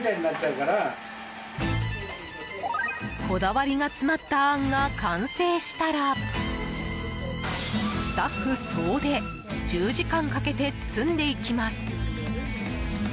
こだわりが詰まったあんが完成したらスタッフ総出１０時間かけて包んでいきます。